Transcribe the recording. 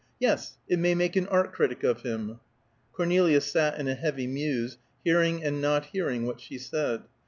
Yes, it may make an art critic of him." Cornelia sat in a heavy muse, hearing and not hearing what she said.